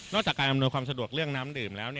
จากการอำนวยความสะดวกเรื่องน้ำดื่มแล้ว